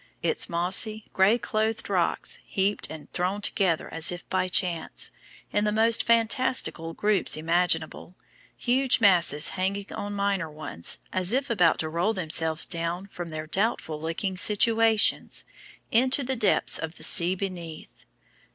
Its mossy, grey clothed rocks, heaped and thrown together as if by chance, in the most fantastical groups imaginable, huge masses hanging on minor ones as if about to roll themselves down from their doubtful looking situations, into the depths of the sea beneath.